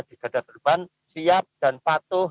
di gadar terbang siap dan patuh